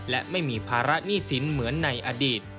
และไม่มีภาระหนี้สินเหมือนในอดีต